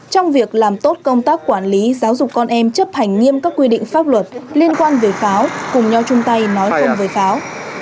trong việc làm tốt công tác quản lý giáo dục con em chấp hành nghiêm các quy định pháp luật liên quan về pháo cùng nhau chung tay nói không với pháo